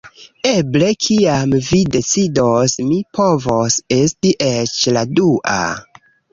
Eble kiam vi decidos, mi povos esti eĉ la dua